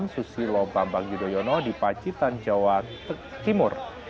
susilo bambang yudhoyono di pacitan jawa timur